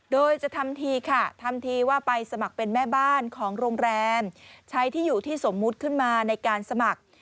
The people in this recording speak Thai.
โดยจะทำทีค่ะทำทีว่าไปสมัครเป็นแม่บ้านของโรงแรมใช้ที่อยู่ที่สมมุติขึ้นมาในการสมัคร